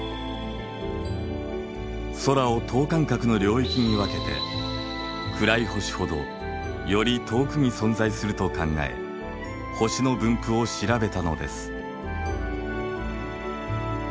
空を等間隔の領域に分けて暗い星ほどより遠くに存在すると考え星の分布を調べたのです。